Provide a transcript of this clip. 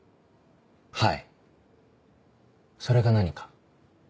はいそれが何か？